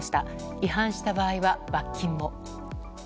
違反した場合は罰金も。